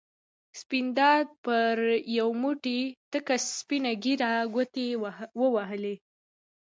سپین دادا پر یو موټی تکه سپینه ږېره ګوتې ووهلې.